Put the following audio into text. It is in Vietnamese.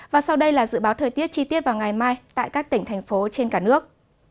và sau đây là dự báo thời tiết chi tiết vào ngày mai tại các tỉnh thành phố trên cả nước